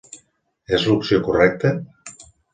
És l'opció correcta?